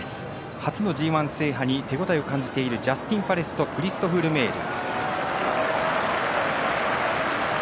初のＧＩ制覇に手応えを感じているジャスティンパレスとクリストフ・ルメール。